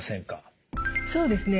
そうですね。